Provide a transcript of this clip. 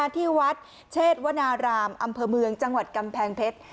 ที่วัดเชษวนารามอำเภอเมืองจังหวัดกำแพงเพชร